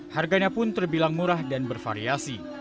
harganya pun terbilang murah dan bervariasi